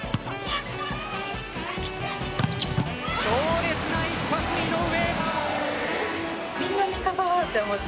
強烈な一発、井上。